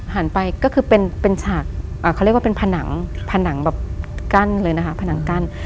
ไปก็คือเป็นฉากเขาเรียกว่าเป็นผนังผนังแบบกั้นเลยนะคะผนังกั้น